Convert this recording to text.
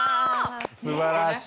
すばらしい。